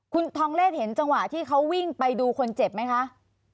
คุณทองเศษเห็นจังหวะที่เขาวิ่งไปดูคนเจ็บไหมคะ